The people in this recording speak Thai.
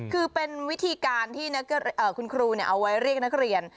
คือเป็นวิธีการที่คุณครูเอาไว้เรียกนักเรียน